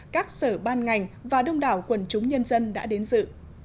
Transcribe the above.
các sở ban ngành và đông đảo quần chúng nhân dân đã đến dự